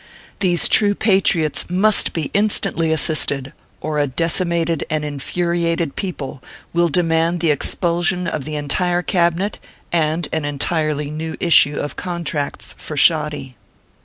These true patriots must be instantly assisted, or a decimated and infuriated people will demand the expulsion of the entire Cabi net, and an entirely new issue of contracts for shoddy.